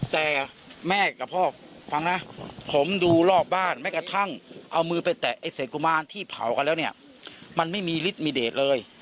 แต่แม่กับพ่อฟังนะผมดูรอบบ้านแม้กระทั่งเอามือไปแตะไอ้เศษกุมารที่เผากันแล้วเนี่ยมันไม่มีฤทธิมีเดทเลย